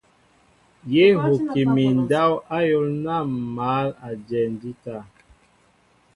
Yé huki mi ndáw áyól ná ḿ mǎl a jɛɛ ndíta.